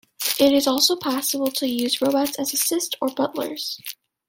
It is also possible to use robots as assistants or butlers.